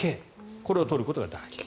これを取ることが大事。